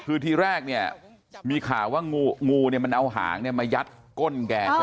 คือทีแรกเนี่ยมีข่าวว่างูเนี่ยมันเอาหางมายัดก้นแกใช่ไหม